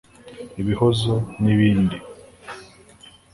ibihozo n’ibindi